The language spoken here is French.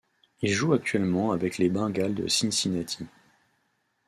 Il joue actuellement avec les Bengals de Cincinnati.